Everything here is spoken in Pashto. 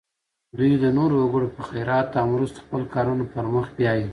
دوی د نورو وګړو په خیرات او مرستو خپل کارونه پر مخ بیایي.